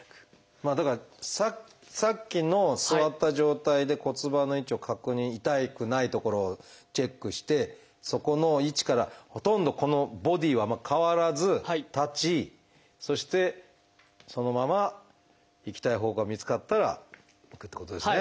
まあだからさっきの座った状態で骨盤の位置を確認痛くない所をチェックしてそこの位置からほとんどこのボディーは変わらず立ちそしてそのまま行きたい方向が見つかったら行くってことですね。